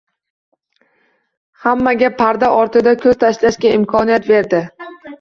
hammaga parda ortiga ko‘z tashlashga imkoniyat berdi